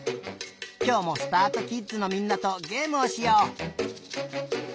きょうもすたあとキッズのみんなとゲームをしよう。